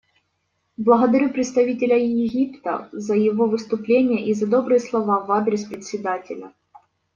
Благодарю представителя Египта за его выступление и за добрые слова в адрес Председателя.